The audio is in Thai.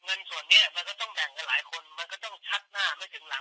เงินส่วนนี้มันก็ต้องแบ่งกันหลายคนมันก็ต้องชัดหน้าไม่ถึงหลัง